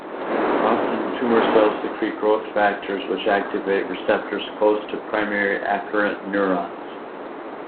Often tumor cells secrete growth factors which activate receptors close to primary afferent neurons.